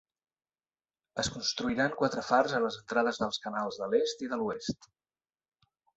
Es construiran quatre fars a les entrades dels canals de l'est i de l'oest.